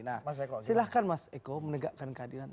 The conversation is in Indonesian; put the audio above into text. nah silahkan mas eko menegakkan keadilan